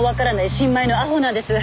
新米の阿呆なんです。